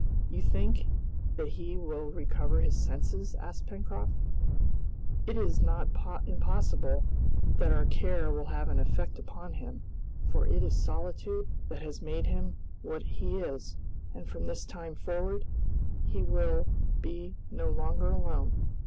"You think that he will recover his senses?" asked Pencroft. "It is not impossible that our care will have an effect upon him, for it is solitude that has made him what he is, and from this time forward he will be no longer alone."